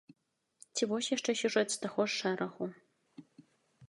Ці вось яшчэ сюжэт з таго ж шэрагу.